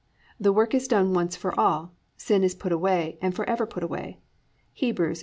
I). The work is done once for all, sin is put away, and forever put away (Heb. 9:26; cf.